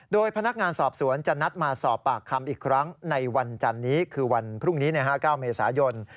โดยพนักงานสอบสวนจะนัดมาสอบปากคำอีกครั้งในวันจันนี้คือวันพรุ่งนี้๙เมษายน